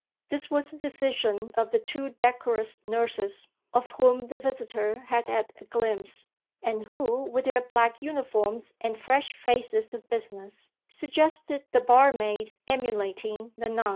This was the decision of the two decorous nurses, of whom the visitor had had a glimpse and who, with their black uniforms and fresh faces of business, suggested the barmaid emulating the nun.